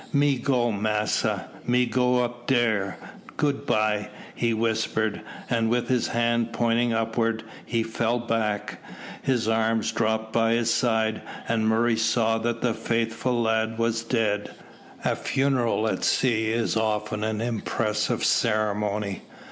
"Me go, massa! me go up dere, good bye," he whispered, and with his hand pointing upwards, he fell back. His arms dropped by his side, and Murray saw that the faithful lad was dead. A funeral at sea is often an impressive ceremony.